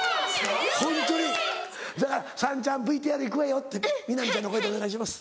ホントにだから「さんちゃんＶＴＲ行くわよ」って南ちゃんの声でお願いします。